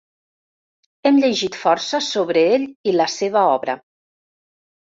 Hem llegit força sobre ell i la seva obra.